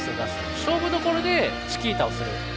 勝負どころでチキータをする。